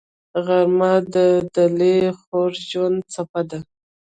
غرمه د دلي خوږ ژوند څپه ده